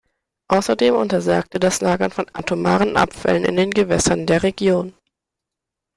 Außerdem untersagt er das Lagern von atomaren Abfällen in den Gewässern der Region.